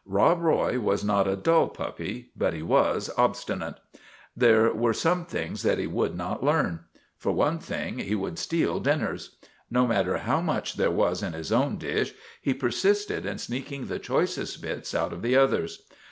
" Rob Roy was not a dull puppy ; but he was obsti nate. There were some things that he would not learn. For one thing, he would steal dinners. No matter how much there was in his own dish, he per sisted in sneaking the choicest bits out of the others.